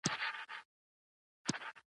دا په مشخصه او ټاکلې دوره کې وي.